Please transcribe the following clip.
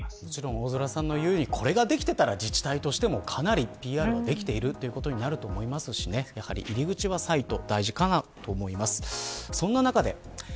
大空さんの言うようにこれができていたら自治体としてもＰＲができているということになると思いますしやはり入り口はサイトというのは大事かなと思います。